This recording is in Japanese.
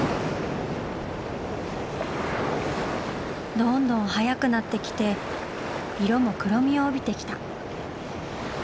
どんどん速くなってきて色も黒みを帯びてきた。